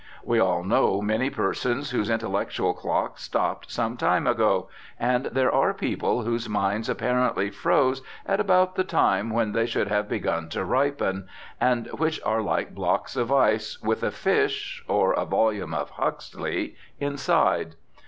We all know many persons whose intellectual clock stopped some time ago, and there are people whose minds apparently froze at about the time when they should have begun to ripen, and which are like blocks of ice with a fish (or a volume of Huxley) inside.